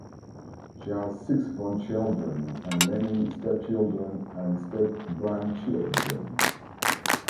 She has six grandchildren and many stepchildren and step-grandchildren.